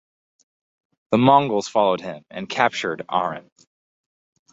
The Mongols followed him and captured Arran.